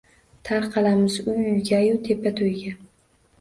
Tarqalamiz uy-uygayu tepa to’yga